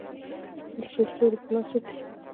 د څو ستورو په لاسو کې